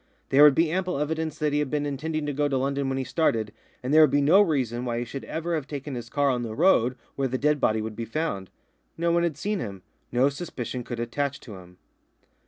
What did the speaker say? There would be ample evidence that he had been intending to go to London when he started, and there would be no reason why he should ever have taken his car on the road where the dead body would be found. No one had seen him; no suspicion could attach to him.